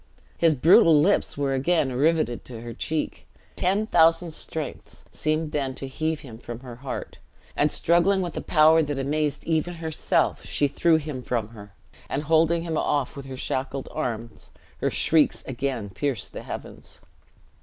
His brutal lips were again riveted to her cheek. Ten thousand strengths seemed then to heave him from her heart; and struggling with a power that amazed even herself, she threw him from her; and holding him off with her shackled arms, her shrieks again pierced the heavens.